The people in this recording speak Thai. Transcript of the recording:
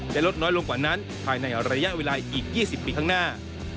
ลดน้อยลงกว่านั้นภายในระยะเวลาอีก๒๐ปีข้างหน้า